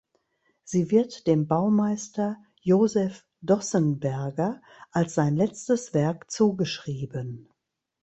Sie wird dem Baumeister Joseph Dossenberger als sein letztes Werk zugeschrieben.